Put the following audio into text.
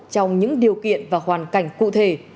trong những điều kiện và hoàn cảnh cụ thể